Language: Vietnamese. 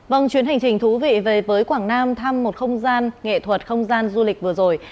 vâng chuyến hành trình thú vị về với quảng nam thăm một không gian nghệ thuật không gian du lịch vừa rồi